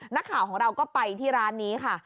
นักข่าวของเราก็ไปที่ร้านนี้ค่ะ